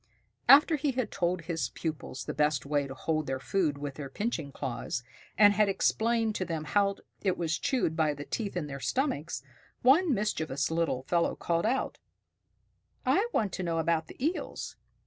After he had told his pupils the best way to hold their food with their pinching claws, and had explained to them how it was chewed by the teeth in their stomachs, one mischievous little fellow called out, "I want to know about the Eels.